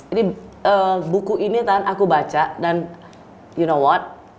ini buku ini tante aku baca dan you know what